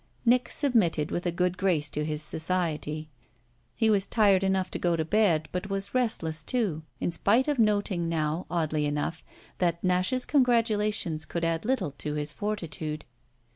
Nick submitted with a good grace to his society he was tired enough to go to bed, but was restless too in spite of noting now, oddly enough, that Nash's congratulations could add little to his fortitude.